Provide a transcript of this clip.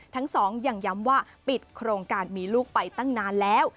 ทั้งสองยังย้ำว่าปิดโครงการมีลูกไปตั้งนานแล้ว